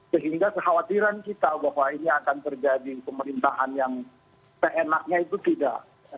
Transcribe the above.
sehingga kekhawatiran kita bahwa ini akan terjadi pemerintahan yang seenaknya itu tidak